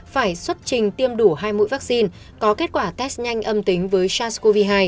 phải xuất trình tiêm đủ hai mũi vaccine có kết quả test nhanh âm tính với sars cov hai